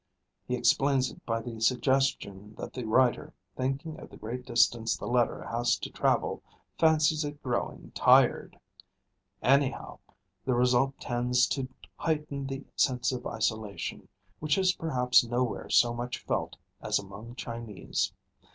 He explains it by the suggestion that the writer, thinking of the great distance the letter has to travel, fancies it growing tired. Anyhow, the result tends to heighten the sense of isolation, which is perhaps nowhere so much felt as among Chinese.